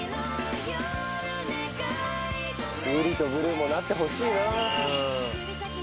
ウリとブルーもなってほしいな。